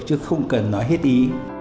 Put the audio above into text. chứ không cần nói hết ý